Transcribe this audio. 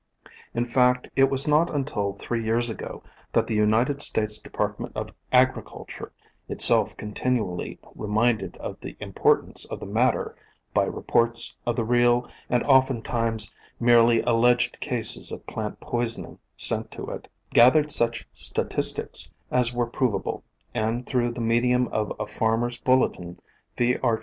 In fact, it was not until '57 158 POISONOUS PLANTS three years ago that the United States Department of Agriculture, itself continually reminded of the importance of the matter by reports of the real and oftentimes merely alleged cases of plant poison ing sent to it, gathered such statistics as were provable, and through the medium of a Farmers' Bulletin, V.